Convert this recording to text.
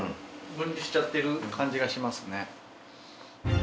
分離しちゃってる感じがしますね。